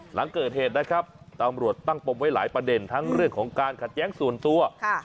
หลังเกิดเหตุนะครับตำรวจตั้งปมไว้หลายประเด็นทั้งเรื่องของการขัดแย้งส่วนตัว